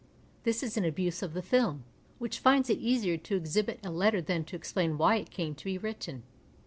This is an abuse of the film, which finds it easier to exhibit a letter than to explain why it came to be written.